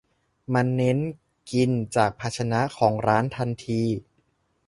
มันเน้นกินจากภาชนะของร้านทันที